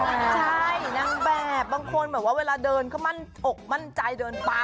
ใช่นางแบบบางคนเวลาเดินเขาออกมั่นใจเดินปลา